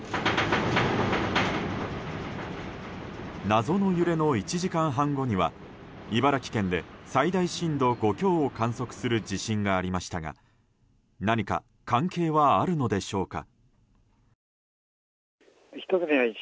謎の揺れの１時間半後には茨城県で最大震度５強を観測する地震がありましたが何か関係はあるのでしょうか。